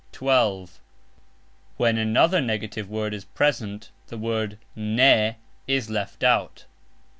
(12) When another NEGATIVE word is present the word "ne" is left out.